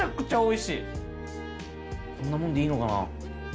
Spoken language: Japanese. こんなもんでいいのかな。